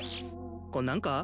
こんなんか？